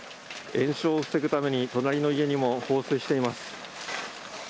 延焼を防ぐために隣の家にも放水しています。